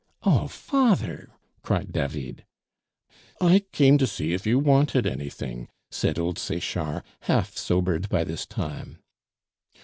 "Oh, father!" cried David. "I came to see if you wanted anything," said old Sechard, half sobered by this time.